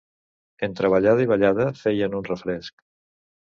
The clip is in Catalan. Entre ballada i ballada feien un refresc.